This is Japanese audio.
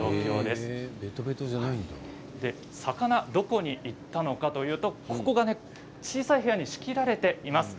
魚はどこに行ったのかといいますと小さい部屋に仕切られています。